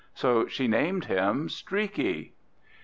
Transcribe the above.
So she named him Streaky.